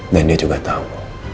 dan dia juga tahu